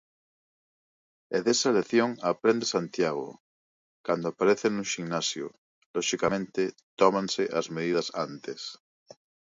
E desa lección aprende Santiago: cando aparece nun ximnasio, loxicamente, tómanse as medidas antes.